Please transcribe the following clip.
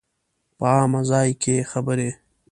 په عامه ځای کې خبرې